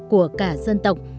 của cả dân tộc